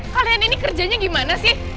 kalian ini kerjanya gimana sih